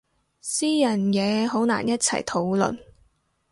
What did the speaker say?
私人嘢好難一齊討論